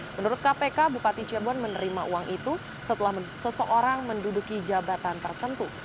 menurut kpk bupati cirebon menerima uang itu setelah seseorang menduduki jabatan tertentu